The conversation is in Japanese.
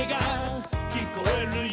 「きこえるよ」